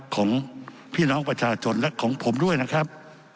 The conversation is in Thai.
ของพี่น้องประชาชนและของผมด้วยนะครับ